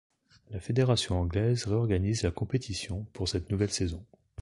La fédération anglaise réorganise la compétition pour cette nouvelle saison.